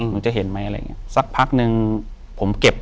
อยู่ที่แม่ศรีวิรัยิลครับ